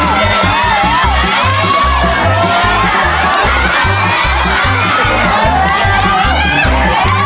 เยี่ยม